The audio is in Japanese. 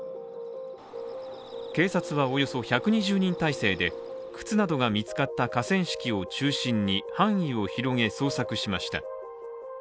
警察はおよそ１２０人態勢で靴などが見つかった河川敷を中心に範囲を広げ、捜索しました。